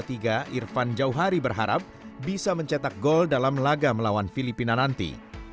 irfan jauhari berharap bisa mencetak gol dalam laga melawan filipina nanti